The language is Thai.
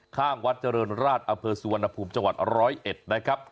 ข้างวัดเจริญราชอเภอสุวรรณภูมิจังหวัด๑๐๑นะครับ